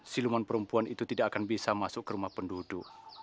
siluman perempuan itu tidak akan bisa masuk ke rumah penduduk